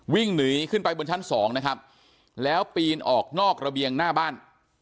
วิ่งหนีขึ้นไปบนชั้นสองนะครับแล้วปีนออกนอกระเบียงหน้าบ้าน